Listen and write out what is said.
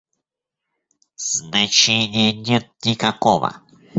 Значения нет никакого.